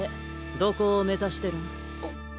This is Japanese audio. どこを目指してるん？